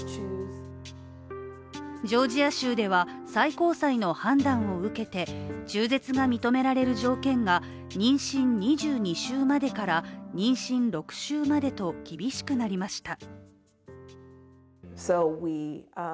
ジョージア州では、最高裁の判断を受けて中絶が認められる条件が妊娠２２週までから妊娠６週までと厳しくなりました。